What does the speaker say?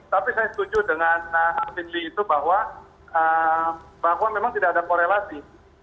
tapi saya setuju dengan alvin lee itu bahwa memang tidak ada korelasi